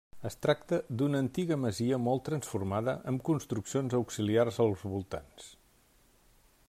Es tracta d'una antiga masia molt transformada, amb construccions auxiliars als voltants.